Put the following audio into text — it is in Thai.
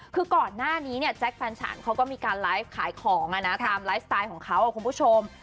คือก่อนหน้านี้เนี่ยแจ๊คแฟนฉันเขาก็มีการไลฟ์ขายของตามไลฟ์สไตล์ของเขาคุณผู้ชม